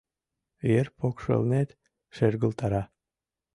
Ер покшелнет шергылтара.